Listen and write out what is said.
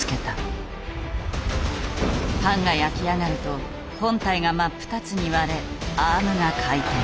パンが焼き上がると本体が真っ二つに割れアームが回転。